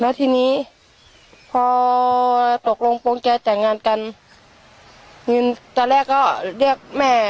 แล้วทีนี้พอตกลงโปรงใจแต่งงานกันตอนแรกก็เรียกแม่